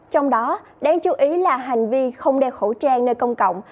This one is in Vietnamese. trong đó đáng chú ý là hành vi không đeo khẩu trang nơi công cộng